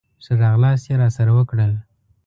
ښه راغلاست یې راسره وکړل.